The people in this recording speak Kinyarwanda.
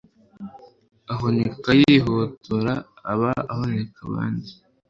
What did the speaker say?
uhunika yihotora aba ahunikira abandi